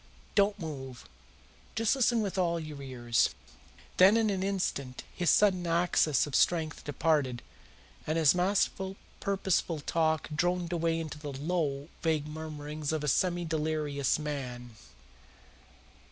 Don't move! Just listen with all your ears." Then in an instant his sudden access of strength departed, and his masterful, purposeful talk droned away into the low, vague murmurings of a semi delirious man.